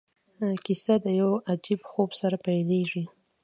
کیسه د یو عجیب خوب سره پیلیږي.